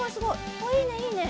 あいいねいいね。